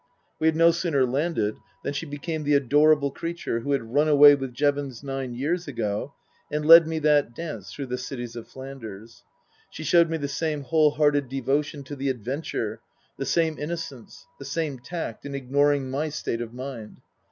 We had no sooner landed than she became the adorable creature who had run away with Jevons nine years ago and led me that dance through the cities of Flanders. She showed the same whole hearted devotion to the adventure, the same innocence, the same tact in ignoring my state of mind.